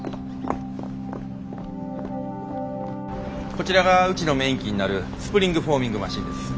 こちらがうちのメイン機になるスプリングフォーミングマシンです。